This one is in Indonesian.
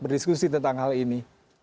berdiskusi tentang hal ini